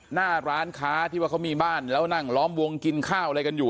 หน้าร้านค้าที่ว่าเขามีบ้านแล้วนั่งล้อมวงกินข้าวอะไรกันอยู่